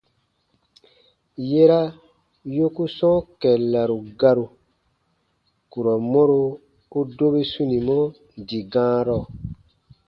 Yera yoku sɔ̃ɔ kɛllaru garu, kurɔ mɔro u dobi sunimɔ dii gãarɔ.